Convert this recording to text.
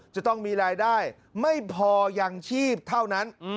จะต้องมีรายได้ไม่พอยังชีพเท่านั้น